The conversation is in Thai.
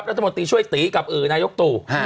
รัฐมนตรีช่วยตีกับนายกตู่